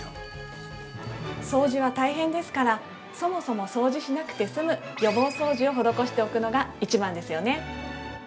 ◆掃除は大変ですから、そもそも掃除しなくて済む予防掃除を施しておくのが一番ですよね。